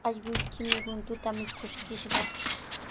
Allquykimi runtuta mikuskishqa.